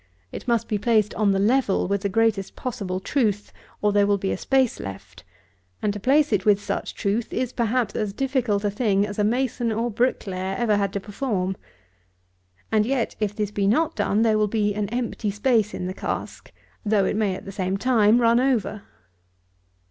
It must be placed on the level with the greatest possible truth, or there will be a space left; and to place it with such truth is, perhaps, as difficult a thing as a mason or bricklayer ever had to perform. And yet, if this be not done, there will be an empty space in the cask, though it may, at the same time, run over.